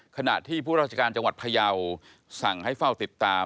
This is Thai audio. ขณะที่ผู้ราชการจังหวัดพยาวสั่งให้เฝ้าติดตาม